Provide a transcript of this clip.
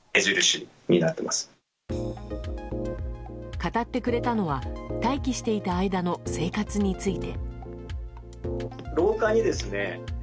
語ってくれたのは待機していた間の生活について。